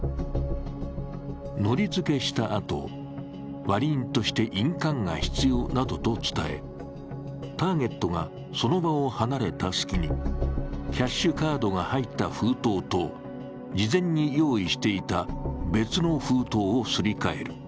のりづけしたあと、割り印として印鑑が必要などと伝え、ターゲットがその場を離れた隙にキャッシュカードが入った封筒と事前に用意していた別の封筒をすり替える。